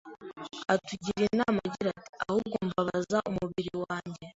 Atugira inama agira ati, “Ahubwo mbabaza umubiri wanjye